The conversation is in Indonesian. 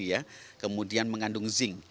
ya kemudian mengandung zinc